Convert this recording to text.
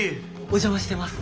お邪魔してます。